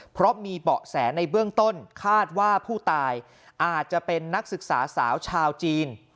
เพราะมีเบาะแสในเบื้องต้นคาดว่าผู้ตายอาจจะเป็นนักศึกษาสาวชาวจีน